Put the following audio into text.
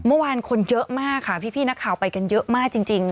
เมื่อวานคนเยอะมากค่ะพี่นักข่าวไปกันเยอะมากจริง